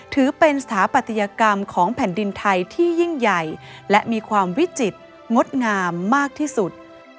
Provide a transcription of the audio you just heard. ถือเป็นสถาปัตยกรรมของแผ่นดินไทยที่ยิ่งใหญ่และมีความวิจิตรงดงามมากที่สุด